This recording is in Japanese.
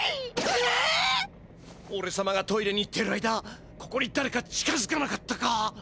おれさまがトイレに行ってる間ここにだれか近づかなかったか？